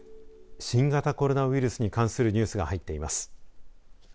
新型コロナウイルスに関するニュースが入っています。